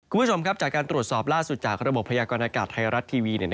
คุณผู้ชมครับจากการตรวจสอบล่าสุดจากระบบพยากรณากาศไทยรัฐทีวี